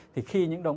thì khi những động